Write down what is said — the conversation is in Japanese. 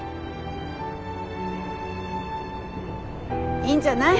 いいんじゃない？